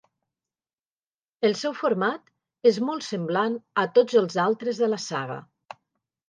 El seu format és molt semblant a tots els altres de la saga.